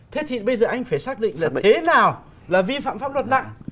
thế thì bây giờ anh phải xác định là thế nào là vi phạm pháp luật nặng